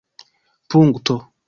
punkto